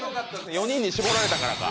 ４人に絞られたからか。